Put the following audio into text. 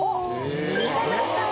北村さん